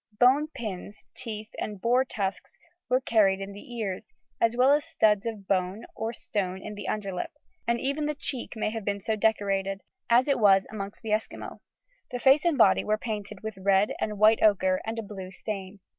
Bone pins, teeth, and boar tusks were carried in the ears, as well as studs of bone or stone in the underlip, and even the cheek may have been so decorated, as it was amongst the Esquimaux. The face and body were painted with red and white ochre and a blue stain.